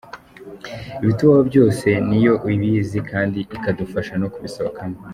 Ibitubaho byose niyo ibizi kandi ikadufasha no kubisohokamo.